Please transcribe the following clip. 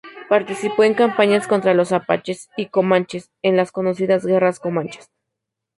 Participó en campañas contra los apaches y comanches en las conocidas guerras comanches.